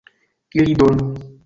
ili donu.